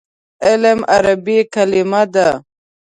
علم عربي کلمه ده.